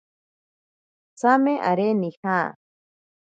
Tsame aré nija.